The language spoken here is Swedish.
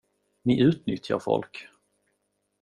Ni utnyttjar folk.